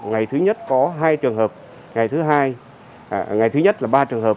ngày thứ nhất có hai trường hợp ngày thứ nhất là ba trường hợp